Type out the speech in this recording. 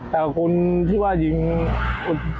แล้วก็มีปัญหาไรเบอร์๑๔๗คนยิง